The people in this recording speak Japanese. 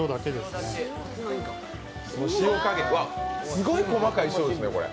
塩加減、すごい細かい塩ですね、これ。